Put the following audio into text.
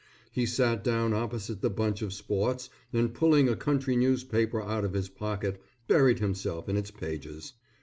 He sat down opposite the bunch of sports and pulling a country newspaper out of his pocket buried himself in its pages.